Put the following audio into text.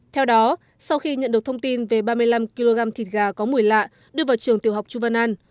theo đó sau khi nhận được thông tin về ba mươi năm kg thịt gà có mùi lạ đưa vào trường tiểu học chu văn an